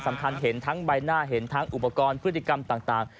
สำคัญเห็นทั้งใบหน้าเห็นทั้งอุปกรณ์พฤติกรรมต่าง